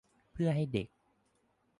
เพื่อให้เด็ก